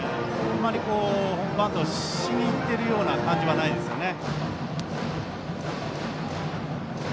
あまりバントしにいってるような感じはないですよね。